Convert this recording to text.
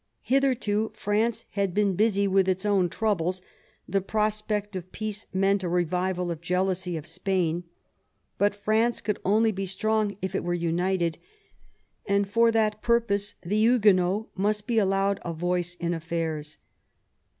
Hitherto France had been busy with its own troubles ; the prospect of peace meant a revival of jealousy of Spain. But France could only be strong if it were united, and for that purpose the Huguenots must be allowed a voice in affairs.